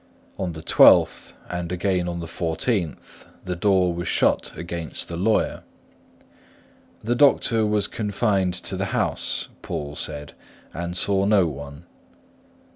On the 12th, and again on the 14th, the door was shut against the lawyer. "The doctor was confined to the house," Poole said, "and saw no one."